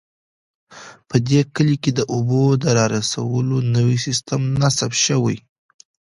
په دې کلي کې د اوبو د رارسولو نوی سیستم نصب شوی